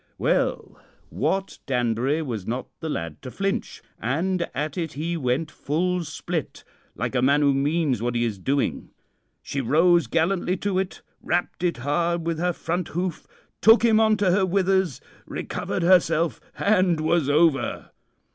"Well, Wat Danbury was not the lad to flinch, and at it he went full split, like a man who means what he is doing. She rose gallantly to it, rapped it hard with her front hoof, shook him on to her withers, recovered herself, and was over.